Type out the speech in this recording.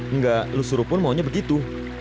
enggak lu suruh pun maunya begitu